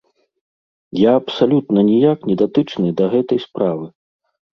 Я абсалютна ніяк не датычны да гэтай справы.